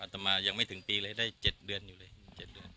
ต่อมายังไม่ถึงปีเลยได้๗เดือนอยู่เลย๗เดือน